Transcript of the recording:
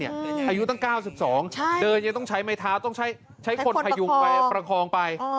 อายุตั้ง๙๒เดินยังต้องใช้ไม้เท้าต้องใช้คนพยุงไปประคองไป